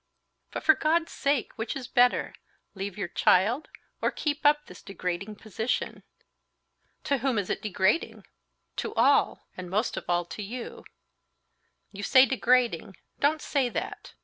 "But, for God's sake, which is better?—leave your child, or keep up this degrading position?" "To whom is it degrading?" "To all, and most of all to you." "You say degrading ... don't say that.